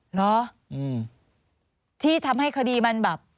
เหรอที่ทำให้คดีมันแบบ